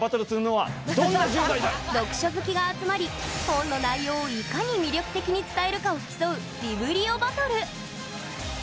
読書好きが集まり、本の内容をいかに魅力的に伝えるかを競う「ビブリオバトル」。